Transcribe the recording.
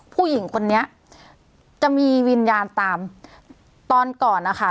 ผู้หญิงคนนี้จะมีวิญญาณตามตอนก่อนนะคะ